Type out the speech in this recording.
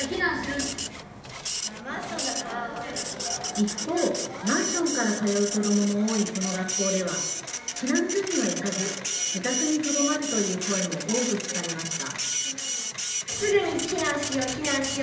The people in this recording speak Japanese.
一方、マンションから通う子どもも多いこの学校では、避難所には行かず、自宅にとどまるという声も多く聞かれました。